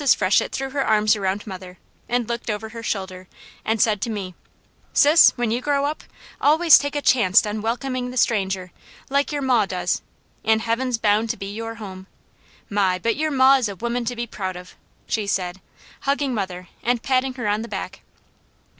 Freshett threw her arms around mother, and looked over her shoulder, and said to me, "Sis, when you grow up, always take a chanct on welcomin' the stranger, like your maw does, an' heaven's bound to be your home! My, but your maw is a woman to be proud of!" she said, hugging mother and patting her on the back.